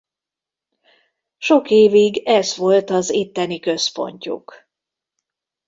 Sok évig ez volt az itteni központjuk.